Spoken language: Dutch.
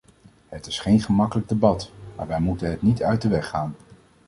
Het is geen gemakkelijk debat, maar wij moeten het niet uit de weg gaan.